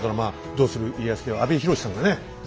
「どうする家康」では阿部寛さんがね